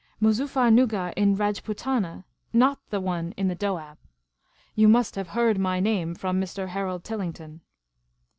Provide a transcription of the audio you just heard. " Moozuffernuggar in Rajputana — not the one in the Doab. You must have heard my name from Mr. Harold Tillington."